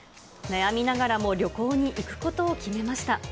悩みながらも旅行に行くことを決めました。